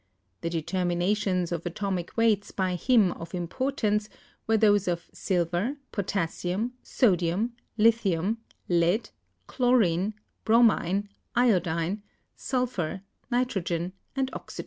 The determinations of atomic weights by him of importance were those of silver, potassium, so dium, lithium, lead, chlorine, bromine, iodine, sulphur, ni trogen and oxygen.